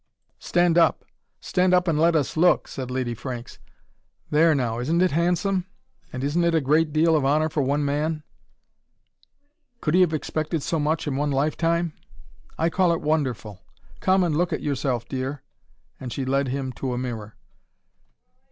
"Stand up! Stand up and let us look!" said Lady Franks. "There now, isn't it handsome? And isn't it a great deal of honour for one man? Could he have expected so much, in one life time? I call it wonderful. Come and look at yourself, dear" and she led him to a mirror.